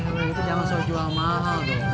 ya di cireos itu jangan selalu jual mahal dong